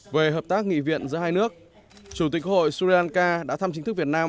về hợp tác nghị viện giữa hai nước chủ tịch hội sri lanka đã thăm chính thức việt nam